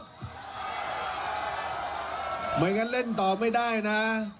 เหมือนกันเล่นต่อไม่ได้นะ